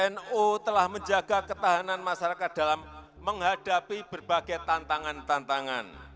nu telah menjaga ketahanan masyarakat dalam menghadapi berbagai tantangan tantangan